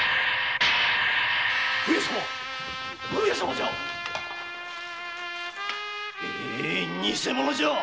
上様上様じゃ偽者じゃ。